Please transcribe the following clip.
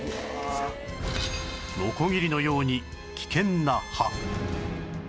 ノコギリのように危険な歯